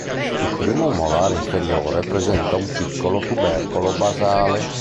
Il primo molare inferiore presenta un piccolo tubercolo basale.